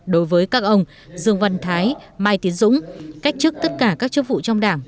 đối với các ông dương văn thái mai tiến dũng cách chức tất cả các chức vụ trong đảng